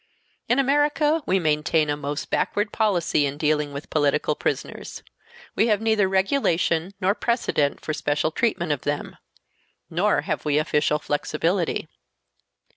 In America we maintain a most backward policy in dealing with political prisoners. We have neither regulation nor precedent for special treatment of them. Nor have we official flexibility.